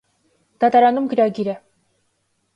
- Դատարանում գրագիր է: